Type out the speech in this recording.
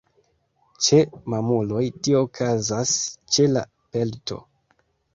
Ĉe mamuloj tio okazas ĉe la pelto.